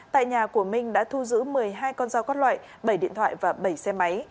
tại nhà của minh đã thu giữ một mươi hai con dao các loại bảy điện thoại và bảy xe máy